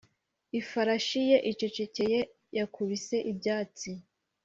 ifarashi ye icecekeye yakubise ibyatsi